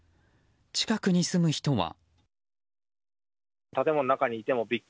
近くに住む人は。